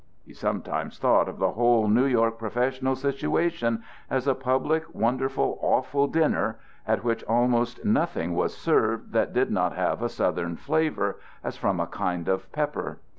He sometimes thought of the whole New York professional situation as a public wonderful awful dinner at which almost nothing was served that did not have a Southern flavor as from a kind of pepper.